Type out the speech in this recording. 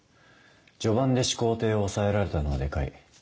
序盤で始皇帝を抑えられたのはデカい。